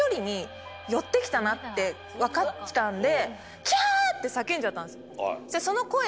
なって分かったんで。